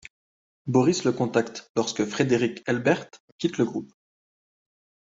Boris le contacte lorsque Frédéric Helbert quitte le groupe.